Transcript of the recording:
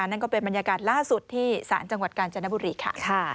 นั่นก็เป็นบรรยากาศล่าสุดที่ศาลจังหวัดกาญจนบุรีค่ะ